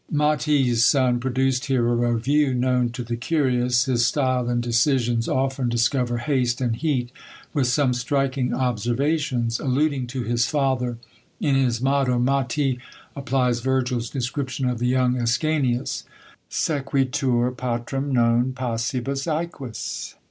MATY'S son produced here a review known to the curious, his style and decisions often discover haste and heat, with some striking observations: alluding to his father, in his motto, Maty applies Virgil's description of the young Ascanius, "Sequitur patrem non passibus æquis."